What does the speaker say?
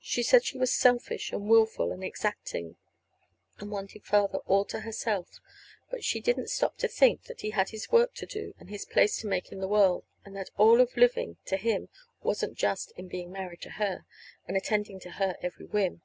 She said she was selfish and willful and exacting, and wanted Father all to herself; and she didn't stop to think that he had his work to do, and his place to make in the world; and that all of living, to him, wasn't just in being married to her, and attending to her every whim.